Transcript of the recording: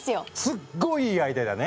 すっごいいいアイデアだね！